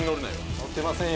乗ってませんよ。